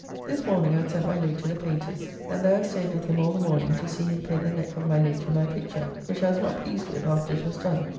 This morning I sent my lute to the Paynter's, and there I staid with him all the morning to see him paint the neck of my lute in my picture, which I was not pleased with after it was done.